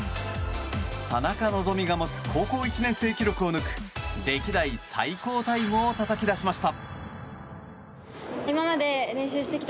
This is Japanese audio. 田中希実が持つ高校１年生記録を抜く歴代最高タイムをたたき出しました。